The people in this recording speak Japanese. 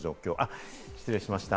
失礼しました。